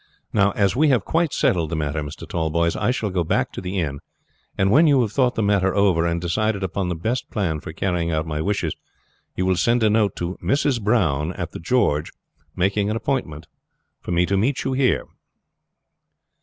Now, as we have quite settled the matter, Mr. Tallboys, I shall go back to the inn, and when you have thought the matter over and decided upon the best plan for carrying out my wishes, you will send a note to Mrs. Brown at the 'George,' making an appointment for me to meet you here."